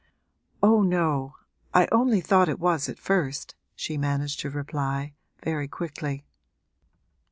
'Oh no, I only thought it was at first,' she managed to reply, very quickly.